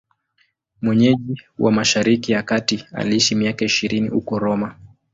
Mwenyeji wa Mashariki ya Kati, aliishi miaka ishirini huko Roma.